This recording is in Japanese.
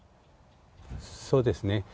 そうですね。